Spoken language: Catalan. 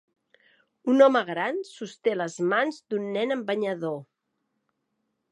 Un home gran sosté les mans d'un nen amb banyador.